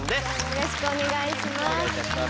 よろしくお願いします。